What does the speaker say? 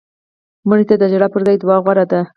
مړه ته د ژړا پر ځای دعا غوره ده